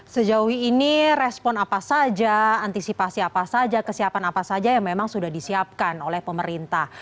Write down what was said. sejauh ini respon apa saja antisipasi apa saja kesiapan apa saja yang memang sudah disiapkan oleh pemerintah